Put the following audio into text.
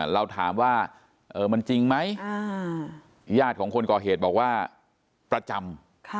เราถามว่ามันจริงไหมญาติของคนก่อเหตุบอกว่าประจำ